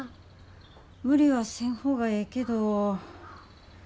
無理はせん方がええけど。